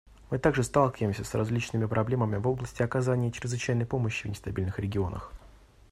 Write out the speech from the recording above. Мы также сталкиваемся с различными проблемами в области оказания чрезвычайной помощи в нестабильных регионах.